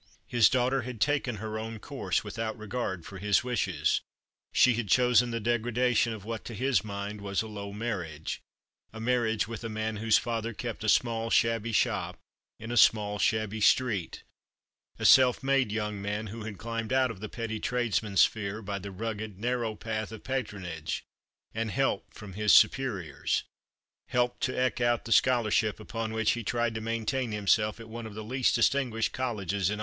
His daughter had taken her own course without regard for his wishes. She had chosen the degradation of what to his mind was a low marriage — a marriage with a man whose father kept a small, shabby shop in a small, shabby street : a self made young man, who had climbed out of the petty tradesman's sphere by the rugged, narrow path of patronage and help from his superiors — helped to eke out the scholarship upon which he tried to maintain himself at one of the least distinguished colleges in The Christmas Hirelings.